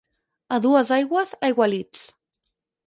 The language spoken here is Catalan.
A Duesaigües, aigualits.